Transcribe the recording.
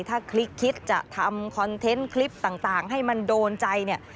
ถ้าคลิกคิดจะทำคอนเทนต์คลิปต่างให้มันโดนใจเนี่ย